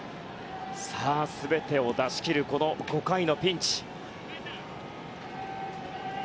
全てを出しきるこの５回のピンチ。